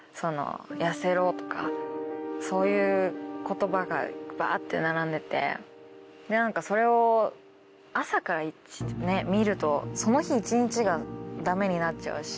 そういう言葉がバって並んでてそれを朝から見るとその日一日がダメになっちゃうし。